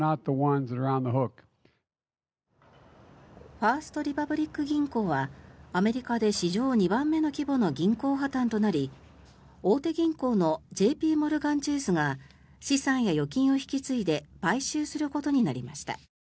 ファースト・リパブリック銀行はアメリカで史上２番目の規模の銀行破たんとなり大手銀行のＪＰモルガン・チェースが資産や預金を引き継いで買収することになりました。